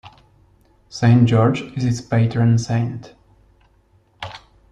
Saint George is its patron saint.